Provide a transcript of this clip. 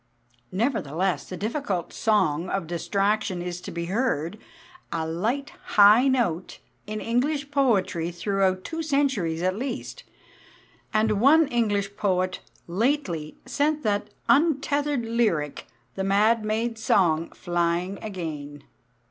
'" Nevertheless, the difficult song of distraction is to be heard, a light high note, in English poetry throughout two centuries at least, and one English poet lately set that untethered lyric, the mad maid's song, flying again.